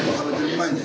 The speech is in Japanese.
うまいで。